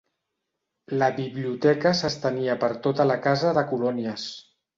La biblioteca s'estenia per tota la casa de colònies.